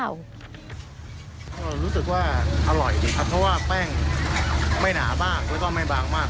รู้สึกว่าอร่อยดีครับเพราะว่าแป้งไม่หนาบ้างไม่ต้องไม่บางมาก